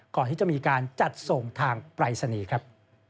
ก่อนที่จะมีการจัดส่งทางปรายศนีย์ครับ